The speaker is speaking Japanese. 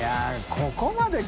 ここまで。